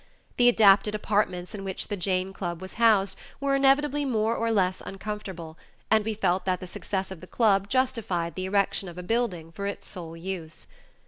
The adapted apartments in which the Jane Club was housed were inevitably more or less uncomfortable, and we felt that the success of the club justified the erection of a building for its sole use.